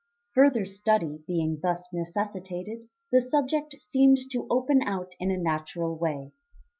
Further study being thus necessitated, the subject seemed to open out in a natural way.